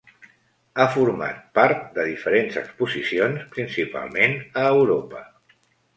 Ha format part de diferents exposicions, principalment a Europa.